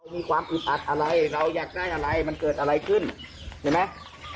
มีความอึดอัดอะไรเราอยากได้อะไรมันเกิดอะไรขึ้นเห็นไหม